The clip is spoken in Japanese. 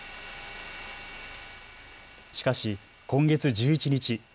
しかし今月１１日。